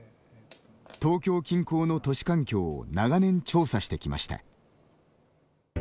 東京近郊の都市環境を長年調査してきました。